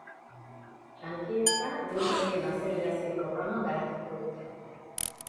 Lankidetza neutroien azelerazio programan garatuko dute.